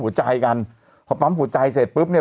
หัวใจกันพอปั๊มหัวใจเสร็จปุ๊บเนี่ย